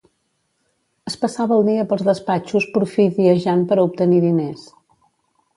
Es passava al dia pels despatxos porfidiejant per a obtenir diners.